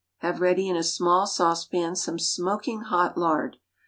Have ready in a small saucepan some smoking hot lard.